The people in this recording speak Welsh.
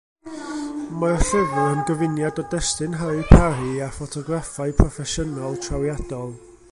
Mae'r llyfr yn gyfuniad o destun Harri Parri a ffotograffau proffesiynol, trawiadol.